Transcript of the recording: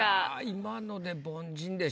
今ので凡人でしょ。